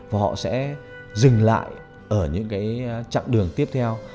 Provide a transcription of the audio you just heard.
và họ sẽ dừng lại ở những cái chặng đường tiếp theo